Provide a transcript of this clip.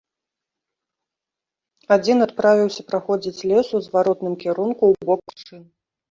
Адзін адправіўся праходзіць лес у зваротным кірунку ў бок машын.